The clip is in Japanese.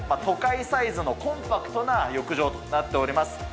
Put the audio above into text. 都会サイズのコンパクトな浴場となっております。